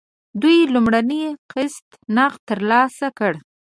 دوی لومړنی قسط نغد ترلاسه کړ.